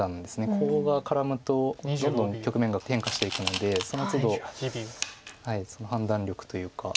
コウが絡むとどんどん局面が変化していくのでそのつど判断力というか。